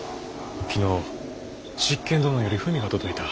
昨日執権殿より文が届いた。